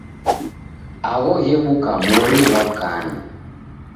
Agho ghebuka mori ghwa kana.